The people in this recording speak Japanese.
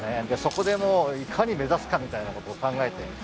でそこでもういかに目立つかみたいなことを考えて。